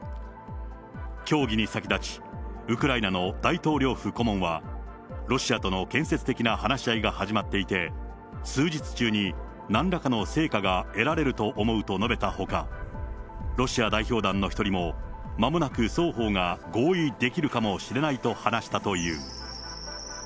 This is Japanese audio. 協議に先立ち、ウクライナの大統領府顧問は、ロシアとの建設的な話し合いが始まっていて、数日中になんらかの成果が得られると思うと述べたほか、ロシア代表団の一人も、まもなく双方が合意できるかもしれないと話したという。